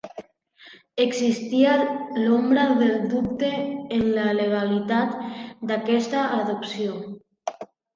Existia l'ombra del dubte en la legalitat d'aquesta adopció.